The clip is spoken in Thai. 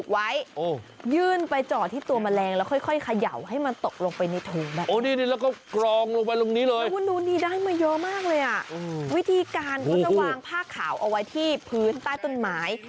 วิธีการเขาจะวางผ้าขาวเอาไว้ที่พื้นใต้ต้นไม้